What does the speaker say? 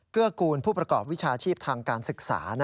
กูลผู้ประกอบวิชาชีพทางการศึกษา